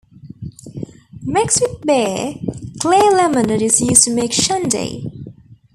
Mixed with beer, clear lemonade is used to make shandy.